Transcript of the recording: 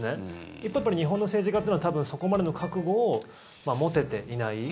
一方、日本の政治家というのは多分そこまでの覚悟を持てていない。